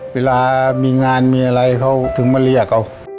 เวลามีงานมีอะไรเขาถึงมาเรียกเอา